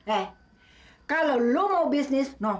eh kalau lo mau bisnis no